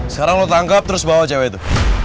sekarang lo tanggap terus bawa cewek itu